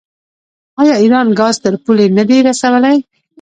آیا ایران ګاز تر پولې نه دی رسولی؟